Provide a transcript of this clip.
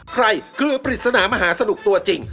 เครือปริศนามหาสนุกตัวจริง